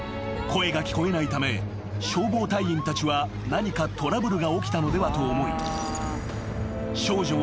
［声が聞こえないため消防隊員たちは何かトラブルが起きたのではと思い］